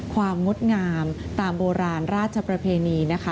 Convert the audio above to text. ความงดงามตามโบราณราชประเพณี